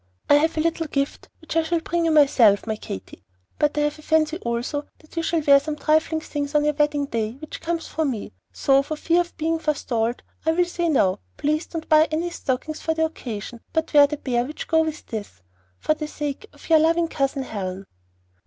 I have a little gift which I shall bring you myself, my Katy; but I have a fancy also that you shall wear some trifling thing on your wedding day which comes from me, so for fear of being forestalled I will say now, please don't buy any stockings for the occasion, but wear the pair which go with this, for the sake of your loving COUSIN HELEN.